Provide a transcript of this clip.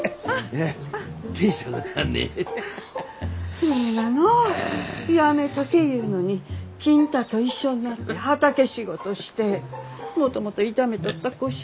それがのうやめとけ言うのに金太と一緒になって畑仕事してもともと痛めとった腰ゅ